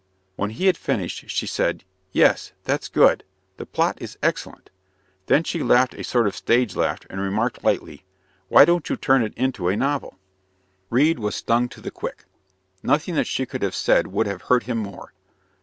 When he had finished, she said: "Yes, that's good! The plot is excellent." Then she laughed a sort of stage laugh, and remarked lightly: "Why don't you turn it into a novel?" Reade was stung to the quick. Nothing that she could have said would have hurt him more.